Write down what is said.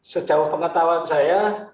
sejauh pengetahuan saya